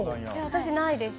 私ないです